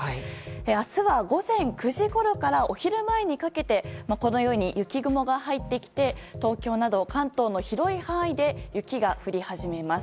明日は午前９時ごろからお昼前にかけて雪雲が入ってきて東京など関東の広い範囲で雪が降り始めます。